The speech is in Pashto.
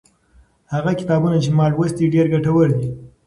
هغه کتابونه چې ما لوستي، ډېر ګټور دي.